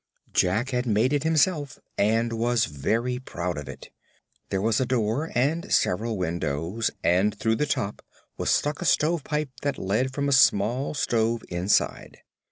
Jack had made it himself and was very proud of it. There was a door, and several windows, and through the top was stuck a stovepipe that led from a small stove inside.